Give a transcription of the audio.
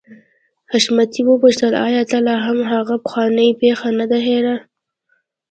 حشمتي وپوښتل آيا تا لا هم هغه پخوانۍ پيښه نه ده هېره.